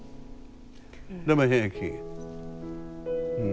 でも平気。